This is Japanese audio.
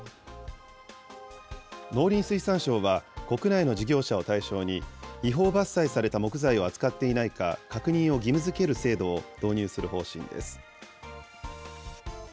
農林水産省は、国内の事業者を対象に、違法伐採された木材を扱っていないか、確認を義務づける制度を導入する方針です。